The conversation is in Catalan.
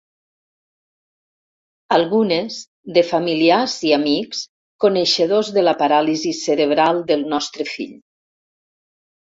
Algunes, de familiars i amics coneixedors de la paràlisi cerebral del nostre fill.